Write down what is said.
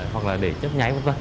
hoặc là để chấp nháy v v